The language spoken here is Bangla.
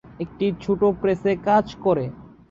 একটি ছোট প্রেসে কাজ করে।